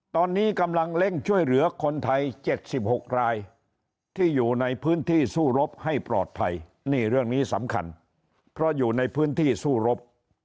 ตอนนี้กำลังเร่งช่วยเหลือคนไทย๗๖รายที่อยู่ในพื้นที่สู้รบให้ปลอดภัยนี่เรื่องนี้สำคัญเพราะอยู่ในพื้นที่สู้รบ